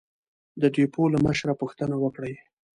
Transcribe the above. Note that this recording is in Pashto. د ډېپو له مشره پوښتنه وکړئ!